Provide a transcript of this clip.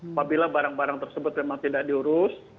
apabila barang barang tersebut memang tidak diurus